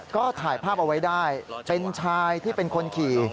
ก็ถ่ายภาพเอาไว้ได้เป็นชายที่เป็นคนขี่